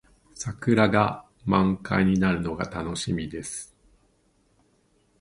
桜が満開になるのが楽しみです。